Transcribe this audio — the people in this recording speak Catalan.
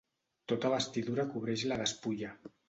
Tota vestidura cobreix la despulla.